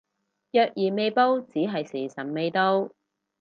若然未報只係時辰未到